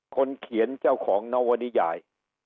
คนเขียนเจ้าของนวนิยาย